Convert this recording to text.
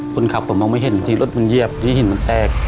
คนขับผมมองไม่เห็นบางทีรถมันเหยียบที่หินมันแตก